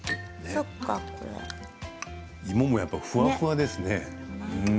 芋もふわふわです。